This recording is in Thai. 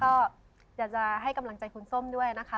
ก็อยากจะให้กำลังใจคุณส้มด้วยนะคะ